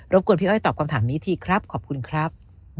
กวนพี่อ้อยตอบคำถามนี้ทีครับขอบคุณครับ